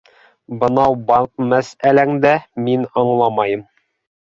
Бынау банк мәсьәләңдә мин аңламайым.